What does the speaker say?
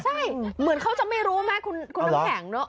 ใช่เหมือนเขาจะไม่รู้ไหมคุณน้ำแข็งเนอะ